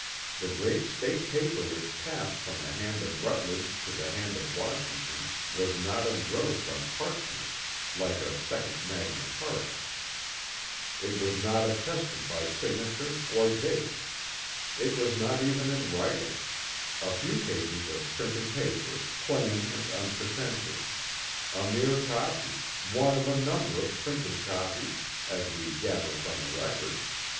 The great state paper which passed from the hand of Rutledge to the hand of Washington was not engrossed on parchment, like a second Magna Charta; it was not attested by signature or date; it was not even in writing; a few pages of printer's paper, plain and unpretentious; a mere copy, one of a number of printed copies, as we gather from the record.